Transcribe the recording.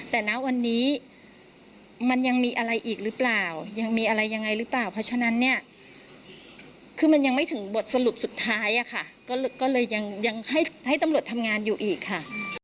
แต่ณวันนี้มันยังมีอะไรอีกหรือเปล่ายังมีอะไรยังไงหรือเปล่าเพราะฉะนั้นเนี่ยคือมันยังไม่ถึงบทสรุปสุดท้ายอะค่ะก็เลยยังให้ตำรวจทำงานอยู่อีกค่ะ